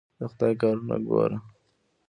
د خدای کارونه ګوره!